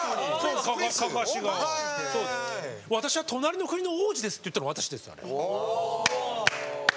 「私は隣の国の王子です」って言ったの私です。